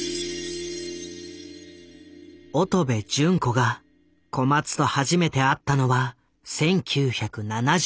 乙部順子が小松と初めて会ったのは１９７５年。